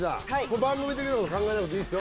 番組的なこと考えなくていいですよ